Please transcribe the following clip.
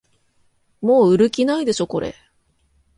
もう売る気ないでしょこれ